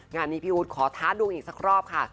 งานนี้พี่อู๊ดขอท้าดวงอีกสักรอบค่ะ